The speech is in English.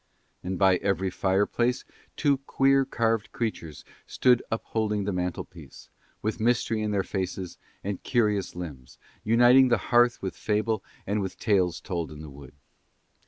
And by every fireplace two queer carved creatures stood upholding the mantlepiece, with mystery in their faces and curious limbs, uniting the hearth with fable and with tales told in the wood.